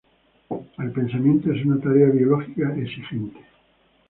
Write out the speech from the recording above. El pensamiento es una tarea biológica exigente.